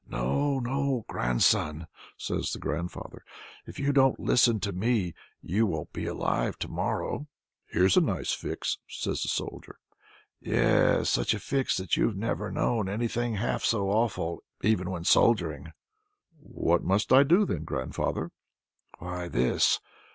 "No, no, grandson!" says the grandfather. "If you don't listen to me, you won't be alive to morrow!" "Here's a nice fix!" says the Soldier. "Yes, such a fix that you've never known anything half so awful, even when soldiering." "What must I do then, grandfather?" "Why this.